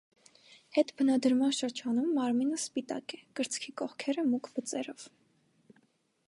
Հետբնադրման շրջանում մարմինը սպիտակ է, կրծքի կողքերը՝ մուգ բծերով։